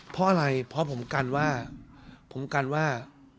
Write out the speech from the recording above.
เพราะอะไรเพราะผมกันว่าผมกันว่า